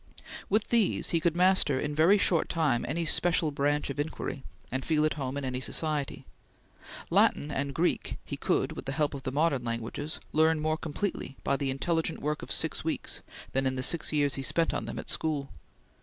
With these, he could master in very short time any special branch of inquiry, and feel at home in any society. Latin and Greek, he could, with the help of the modern languages, learn more completely by the intelligent work of six weeks than in the six years he spent on them at school.